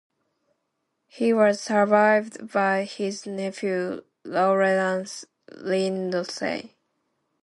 He was survived by his nephew Lawrence Lindsay.